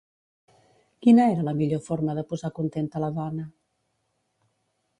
Quina era la millor forma de posar contenta la dona?